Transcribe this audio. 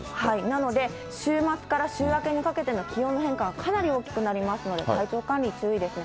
なので、週末から週明けにかけての気温の変化はかなり大きくなりますので、体調管理、注意ですね。